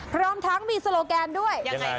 พร้อมทั้งมีโซโลแกนด้วย